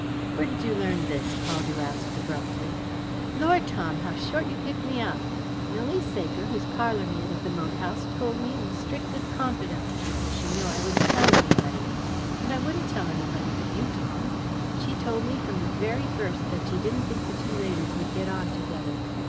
"Where did you learn this?" Caldew asked abruptly. "Lord, Tom, how short you pick me up! Milly Saker, who's parlourmaid at the moat house, told me in the strictest confidence, because she knew I wouldn't tell anybody. And I wouldn't tell anybody but you, Tom. She told me from the very first that she didn't think the two ladies would get on together.